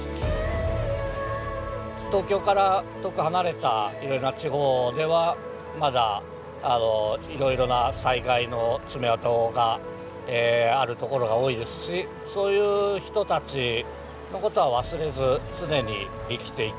東京から遠く離れたいろいろな地方ではまだいろいろな災害の爪痕があるところが多いですしそういう人たちのことは忘れず常に生きていくべきだなという。